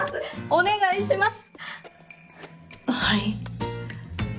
お願いします！